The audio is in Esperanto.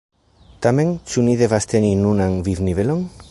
Tamen, ĉu ni devas teni nunan vivnivelon?